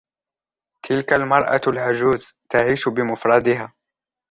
تلك المرأة العجوز تعيش بمفردها.